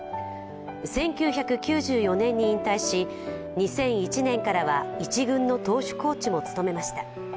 １９９４年に引退し２００１年からは一軍の投手コーチも務めました。